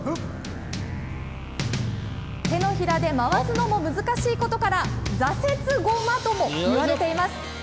手のひらで回すのも難しいことから挫折駒ともいわれています。